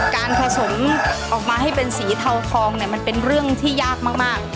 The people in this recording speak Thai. การผสมออกมาให้เป็นสีเทาทองเนี่ยมันเป็นเรื่องที่ยากมาก